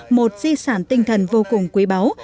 một di sản tinh thần vô cùng quý báu